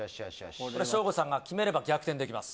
省吾さんが決めれば逆転できます。